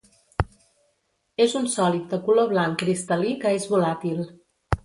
És un sòlid de color blanc cristal·lí que és volàtil.